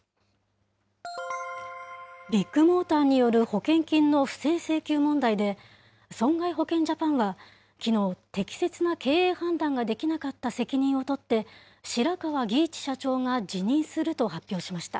ビッグモーターによる保険金の不正請求問題で、損害保険ジャパンはきのう、適切な経営判断ができなかった責任を取って、白川儀一社長が辞任すると発表しました。